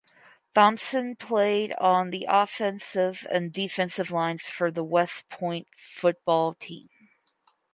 Thompson played on the offensive and defensive lines for the West Point football team.